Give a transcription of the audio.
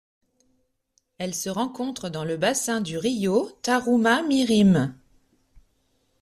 Elle se rencontre dans le bassin du rio Tarumã-Mirim.